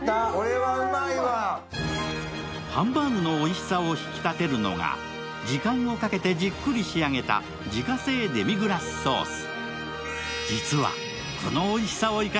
ハンバーグのおいしさを引き立てるのが時間をかけてじっくり仕上げた自家製デミグラスソース。